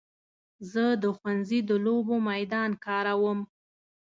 زه د ښوونځي د لوبو میدان کاروم.